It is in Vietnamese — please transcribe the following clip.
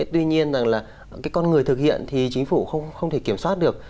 tuy nhiên rằng là cái con người thực hiện thì chính phủ không thể kiểm soát được